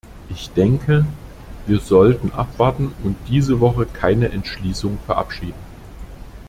Ich denke, wir sollten abwarten und diese Woche keine Entschließung verabschieden.